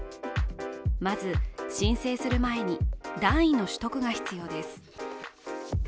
まず申請する前に段位の取得が必要です。